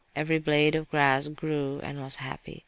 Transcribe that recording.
Every blade of grass grew and was happy.